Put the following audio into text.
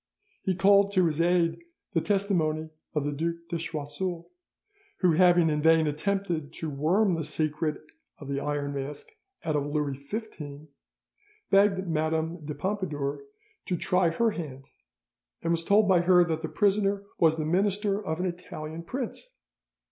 He called to his aid the testimony of the Duc de Choiseul, who, having in vain attempted to worm the secret of the Iron Mask out of Louis XV, begged Madame de Pompadour to try her hand, and was told by her that the prisoner was the minister of an Italian prince.